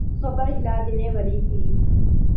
خبر ہلا دینے والی تھی۔